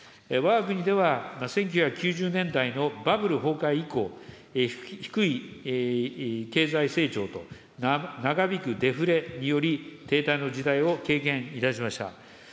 わが国では１９９０年代のバブル崩壊以降、低い経済成長と長引くデフレにより、停滞の時代を経験いたしました。